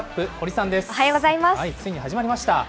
ついに始まりました。